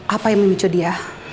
apa yang memicu dia